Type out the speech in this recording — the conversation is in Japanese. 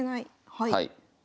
はい。